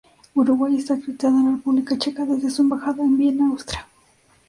Uruguay está acreditada en la República Checa desde su embajada en Viena, Austria.